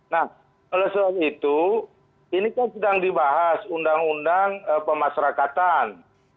nah oleh sebab itu ini kan sedang dibahas undang undang pemasarakatan